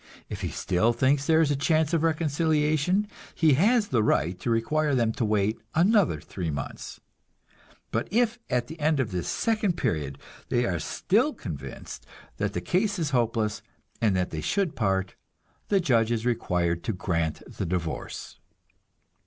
If he still thinks there is a chance of reconciliation, he has the right to require them to wait another three months. But if at the end of this second period they are still convinced that the case is hopeless, and that they should part, the judge is required to grant the divorce.